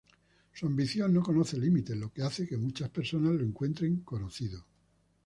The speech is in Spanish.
Su ambición no conoce límites, lo que hace que muchas personas lo encuentren conocido.